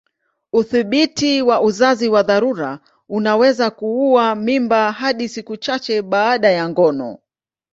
Udhibiti wa uzazi wa dharura unaweza kuua mimba hadi siku chache baada ya ngono.